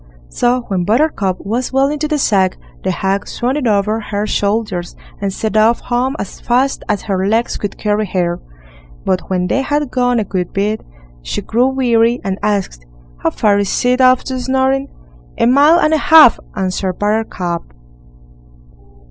So when Buttercup was well into the sack, the hag swung it over her shoulders and set off home as fast as her legs could carry her. But when they had gone a good bit, she grew weary, and asked: "How far is it off to Snoring?" "A mile and a half", answered Buttercup.